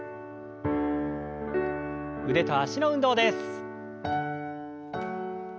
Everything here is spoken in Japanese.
腕と脚の運動です。